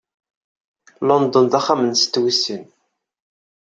London d axxam-nsent wis sin.